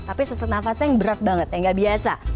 tapi sesak nafasnya yang berat banget yang gak biasa